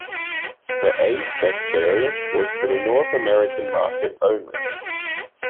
The A-spec variant was for the North American market only.